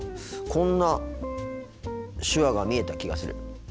こんな手話が見えた気がする。